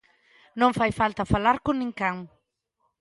Non fai falta falar con ninguén.